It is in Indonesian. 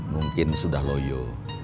mungkin sudah loyo